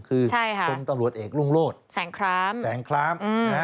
เป็นตำรวจเอกรุงโลตแสงคราม